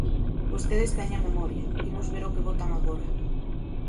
Vostedes teñen memoria, imos ver o que votan agora.